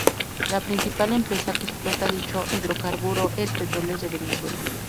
La principal empresa que explota dicho hidrocarburo es Petróleos de Venezuela.